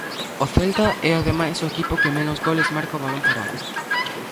O Celta é ademais o equipo que menos goles marca a balón parado.